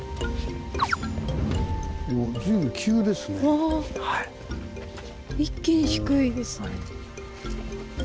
わあ一気に低いですね。